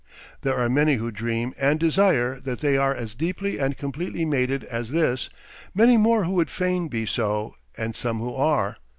There are many who dream and desire that they are as deeply and completely mated as this, many more who would fain be so, and some who are.